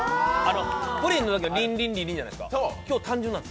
プリンのときはリンリンリリンじゃないですか。